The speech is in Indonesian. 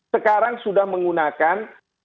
sekarang sudah menggunakan